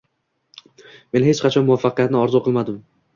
Men hech qachon muvaffaqiyatni orzu qilmadim.